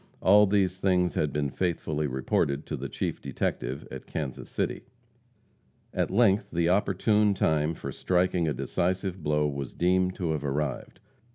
All these things had been faithfully reported to the chief detective at Kansas City. At length the opportune time for striking a decisive blow was deemed to have arrived.